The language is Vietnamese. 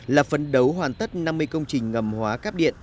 là phấn đấu hoàn tất năm mươi công trình ngầm hóa cáp điện